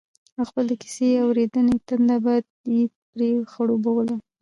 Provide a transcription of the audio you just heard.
او خپل د کيسې اورېدنې تنده به يې پرې خړوبوله